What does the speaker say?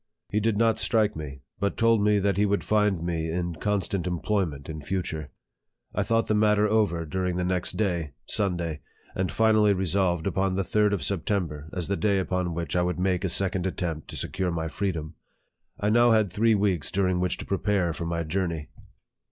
He did not strike me, but told me that he would find me in constant employ ment in future. I thought the matter over during the next day, Sunday, and finally resolved upon the third day of September, as the. day upon which I would make a second attempt to secure my freedom. I now had three weeks during which to prepare for my journey.